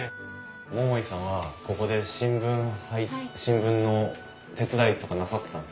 桃井さんはここで新聞の手伝いとかなさってたんですか？